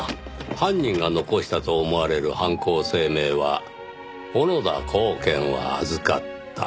犯人が残したと思われる犯行声明は「小野田公顕は預かった」。